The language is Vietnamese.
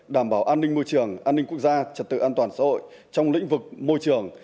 đảm bảo an ninh môi trường an ninh quốc gia trật tự an toàn xã hội trong lĩnh vực môi trường